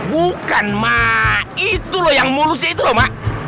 bukan mah itu loh yang mulusnya itu loh mah